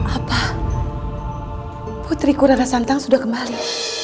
apa putriku rana santang sudah kembali